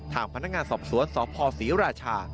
ทางพนักงานสอบสวนสพศรีราชา